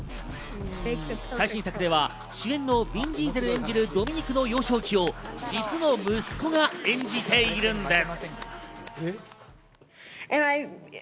最新作では主演のヴィン・ディーゼル演じるドミニクの幼少期を実の息子が演じているんです。